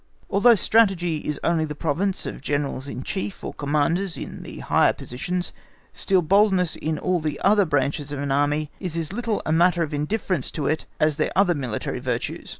Although Strategy is only the province of Generals in Chief or Commanders in the higher positions, still boldness in all the other branches of an Army is as little a matter of indifference to it as their other military virtues.